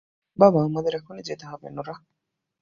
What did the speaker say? বাবা - আমাদের এক্ষুণি যেতে হবে নোরাহ।